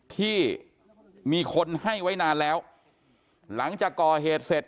ที่มีคนให้ไว้นานแล้วหลังจากก่อเหตุเสร็จ